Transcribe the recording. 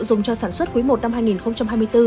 dùng cho sản xuất quý i năm hai nghìn hai mươi bốn